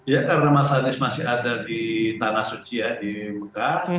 ya karena mas anies masih ada di tanah suci ya di mekah